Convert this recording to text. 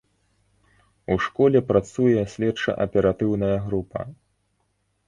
У школе працуе следча-аператыўная група.